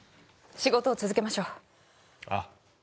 仕事を続けましょうああ